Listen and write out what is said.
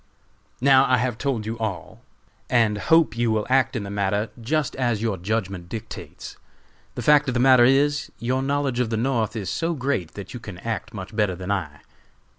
"Now I have told you all, and hope you will act in the matter just as your judgment dictates. The fact of the matter is, your knowledge of the North is so great that you can act much better than I."